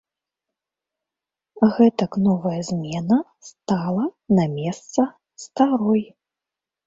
Гэтак новая змена стала на месца старой.